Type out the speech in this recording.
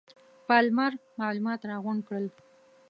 پالمر معلومات راغونډ کړل.